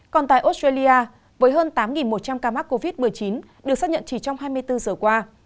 còn tại australia với hơn tám một trăm linh ca mắc covid một mươi chín được xác nhận chỉ trong hai mươi bốn giờ qua